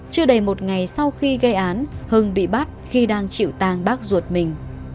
chưa đầy một ngày sau khi gây án hưng bị bắt khi đang chịu tàng bác ruột mình